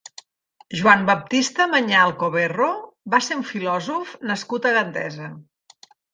Joan Baptista Manyà Alcoverro va ser un filòsof nascut a Gandesa.